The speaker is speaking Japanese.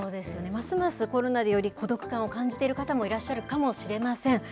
ますますコロナでより孤独感を感じている方もいらっしゃるかもしれません。